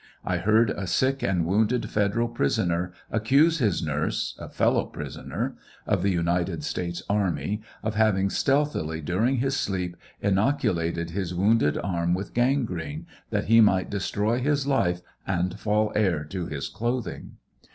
I heard a sick and wounded federal prisoner accuse his nurse, a fellow prisoner, of the United States army, of having stealthily, during his sleep, innoculated his wounded arm with gangrene, that he might destroy his life, and fall heir to his clothing.